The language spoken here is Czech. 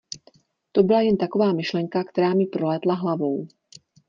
To byla jen taková myšlenka, která mi prolétla hlavou.